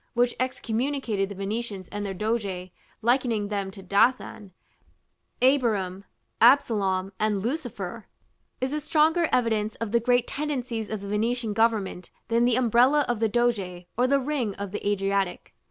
which excommunicated the Venetians and their doge, likening them to Dathan, Abiram, Absalom, and Lucifer, is a stronger evidence of the great tendencies of the Venetian government than the umbrella of the doge or the ring of the Adriatic.